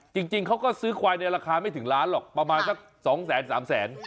จริงเขาก็ซื้อควายในราคาไม่ถึงล้านหรอกประมาณสัก๒แสน๓แสน